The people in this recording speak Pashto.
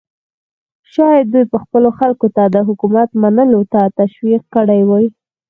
شاید دوی به خپلو خلکو ته د حکومت منلو ته تشویق کړي وای.